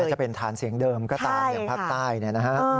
แม้จะเป็นฐานเสียงเดิมก็ตามอย่างภักดิ์ใต้นะครับ